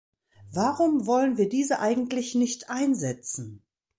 Warum wollen wir diese eigentlich nicht einsetzen?